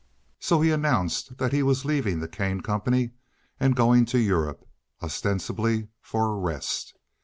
So he announced that he was leaving the Kane Company and going to Europe, ostensibly for a rest.